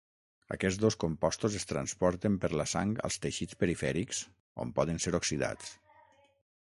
Aquests dos compostos es transporten per la sang als teixits perifèrics on poden ser oxidats.